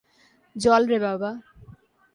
জ্বল রে বাবা।